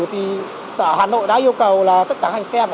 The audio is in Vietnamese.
thì xã hà nội đã yêu cầu là tất cả hành xe phải lắp camera